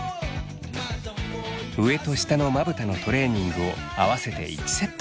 上と下のまぶたのトレーニングを合わせて１セット。